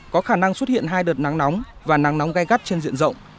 có khả năng xuất hiện hai đợt nắng nóng và nắng nóng gai gắt trên diện rộng